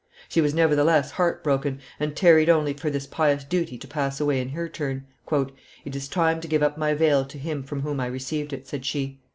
She was, nevertheless, heart broken, and tarried only for this pious duty to pass away in her turn. "It is time to give up my veil to him from whom I received it," said she.